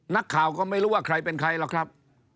นักข่าวก็ไม่รู้ว่าใครเป็นใครหรอกครับ